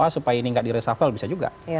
supaya ini gak diresafel bisa juga